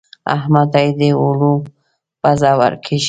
احمد ته يې د اوړو پزه ور کېښوده.